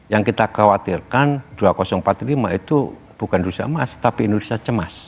yang kita khawatirkan dua ribu empat puluh lima itu bukan rusia emas tapi indonesia cemas